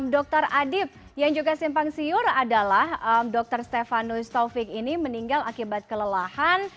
dokter adib yang juga simpang siur adalah dr stefanus taufik ini meninggal akibat kelelahan